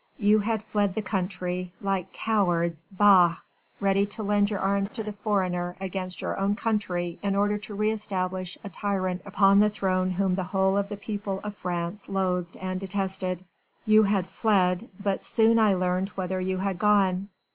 You had fled the country like cowards, bah! ready to lend your arms to the foreigner against your own country in order to re establish a tyrant upon the throne whom the whole of the people of France loathed and detested. You had fled, but soon I learned whither you had gone.